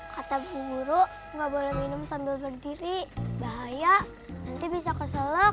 kata bu guru gak boleh minum sambil berdiri bahaya nanti bisa keselok